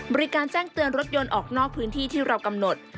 บริการแจ้งเตือนรถยนต์ออกนอกพื้นที่ที่เรากำหนด